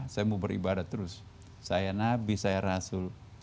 saya mau beribadah terus saya nabi saya rasul